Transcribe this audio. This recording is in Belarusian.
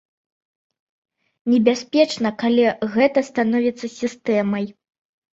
Небяспечна, калі гэта становіцца сістэмай.